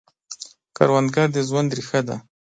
کروندګر د ژوند ریښه ده